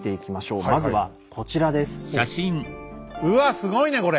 うわすごいねこれ！